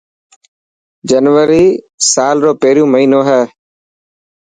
جنوري سلا رو پهريون مهينو هي.